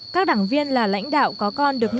các đảng viên là lãnh đạo có con được nhận